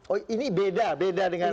oh ini beda beda dengan